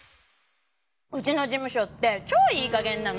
うちの事務所って超いい加減なの。